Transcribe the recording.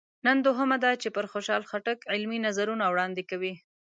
نن دوهمه ده چې پر خوشحال خټک علمي نظرونه وړاندې کوي.